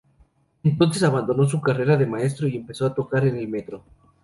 Entonces abandonó su carrera de maestro y empezó a tocar en el metro.